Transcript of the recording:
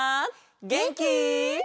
げんき？